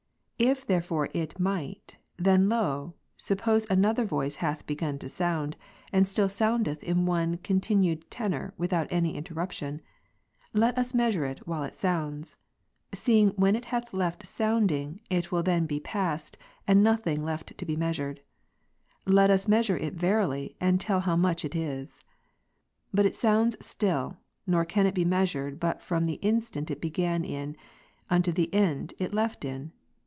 If therefore then it might, then, lo, suppose another voice hath begun to sound, and still soundeth in one continued tenor without any interruption ; let us measure it while it sounds ; seeing when it hath left sounding, it will then be past, and nothing left to be mea sured ; let us measure it verily and tell how much it is. But it sounds still, nor can it be measured but from the instant it began in, unto the end it left in.